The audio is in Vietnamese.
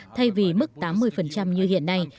thay vì mức tám mươi như hiện nay